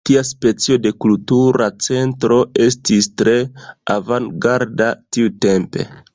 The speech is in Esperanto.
Tia speco de kultura centro estis tre avangarda tiutempe.